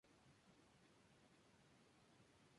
De este período proceden varios libros de ensayo y relato.